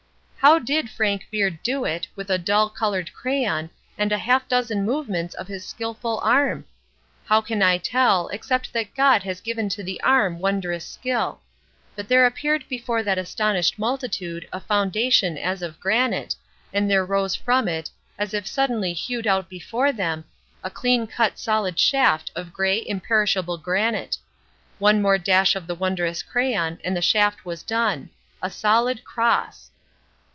How did Frank Beard do it with a dull colored crayon and a half dozen movements of his skillful arm? How can I tell, except that God has given to the arm wondrous skill; but there appeared before that astonished multitude a foundation as of granite, and there rose from it, as if suddenly hewed out before them, a clean cut solid shaft of gray, imperishable granite. One more dash of the wondrous crayon and the shaft was done a solid cross!